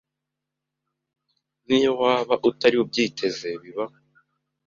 n’iyo waba utari ubyiteze bibaho